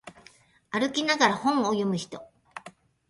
歩きながら本を読む人